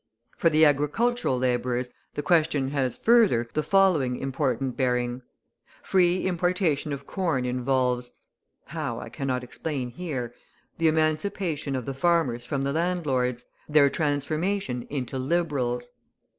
For the agricultural labourers the question has, further, the following important bearing: Free importation of corn involves (how, I cannot explain here) the emancipation of the farmers from the landlords, their transformation into Liberals.